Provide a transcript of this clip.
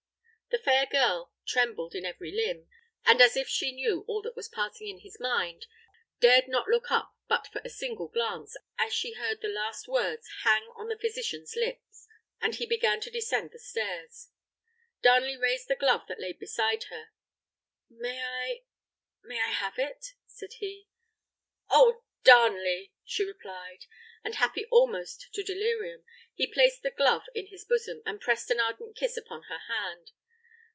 The fair girl trembled in every limb; and as if she knew all that was passing in his mind, dared not look up but for a single glance, as she heard the last words hang on the physician's lip, as he began to descend the stairs. Darnley raised the glove that lay beside her. "May I may I have it?" said he. "Oh, Darnley!" she replied; and happy almost to delirium, he placed the glove in his bosom, and pressed an ardent kiss upon her hand.